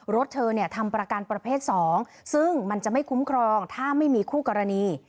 รถเธอเนี่ยทำประกันประเภท๒ซึ่งมันจะไม่คุ้มครองถ้าไม่มีคู่กรณี